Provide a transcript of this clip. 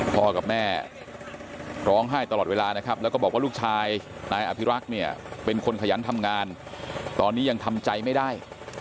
พ่อกับแม่ร้องไห้ตลอดเวลานะครับแล้วก็บอกว่าลูกชายนายอภิรักษ์เนี่ยเป็นคนขยันทำงานตอนนี้ยังทำใจไม่ได้